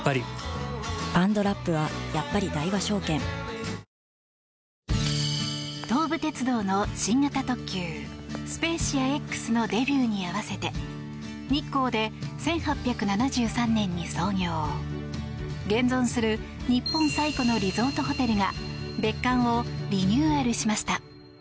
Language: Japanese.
サントリーセサミン東武鉄道の新型特急スペーシアＸのデビューに合わせて日光で１８７３年に創業現存する日本最古のリゾートホテルが別館をリニューアルしました。